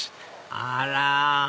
あら！